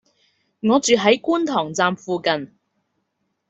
我住喺觀塘站附近